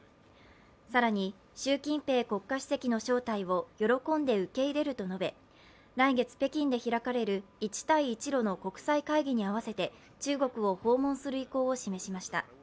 更に習近平国家主席の招待を喜んで受け入れると述べ来月、北京で開かれる一帯一路の国際会議に合わせて中国を訪問する意向を示しました。